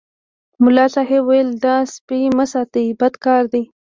ملا صاحب ویل دا سپي مه ساتئ بد کار کوي.